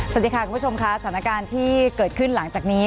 สวัสดีค่ะคุณผู้ชมค่ะสถานการณ์ที่เกิดขึ้นหลังจากนี้